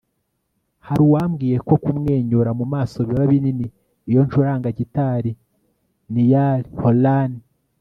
hari uwambwiye ko kumwenyura mu maso biba binini iyo ncuranga gitari. - niall horan